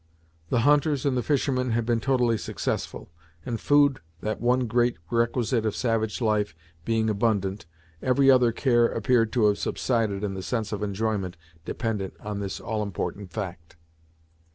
The hunters and the fishermen had been totally successful; and food, that one great requisite of savage life, being abundant, every other care appeared to have subsided in the sense of enjoyment dependent on this all important fact.